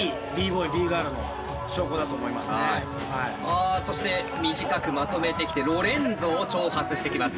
あそして短くまとめてきてロレンゾを挑発してきます。